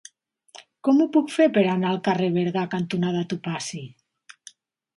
Com ho puc fer per anar al carrer Berga cantonada Topazi?